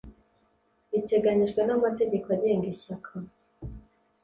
biteganyijwe n amategeko agenga Ishyaka